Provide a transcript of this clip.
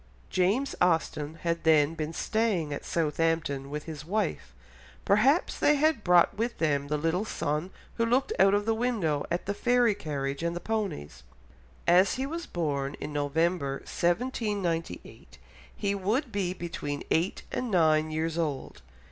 James Austen had then been staying at Southampton with his wife; perhaps they had brought with them the little son who looked out of the window at the fairy carriage and the ponies; as he was born in November 1798 he would be between eight and nine years old.